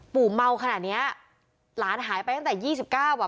ปู่เมาขนาดเนี้ยหลานหายไปตั้งแต่๒๙อ่ะ